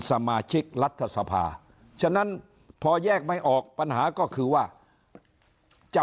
สมาชิกรัฐสภาฉะนั้นพอแยกไม่ออกปัญหาก็คือว่าจะ